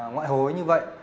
ngoại hối như vậy